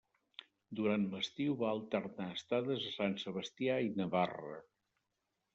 Durant l'estiu va alternar estades a Sant Sebastià i Navarra.